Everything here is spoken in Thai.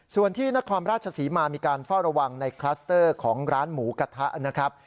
ส่วนที่นครราชศรีมามีการเฝ้าระวังในคลัสเตอร์ของร้านหมูกระทะนะครับ